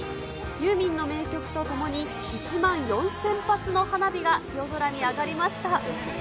ユーミンの名曲とともに、１万４０００発の花火が夜空に上がりました。